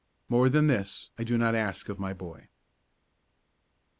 More than this I do not ask of my boy.